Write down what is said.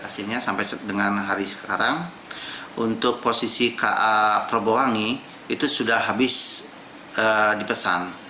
hasilnya sampai dengan hari sekarang untuk posisi ka probowangi itu sudah habis dipesan